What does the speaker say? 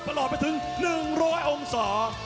ประมาณไปถึง๑๐๐องศา